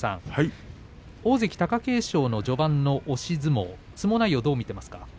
大関貴景勝の序盤の押し相撲相撲内容はどうですか？